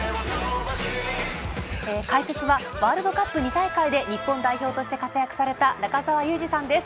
解説はワールドカップ２大会で日本代表として活躍された中澤佑二さんです。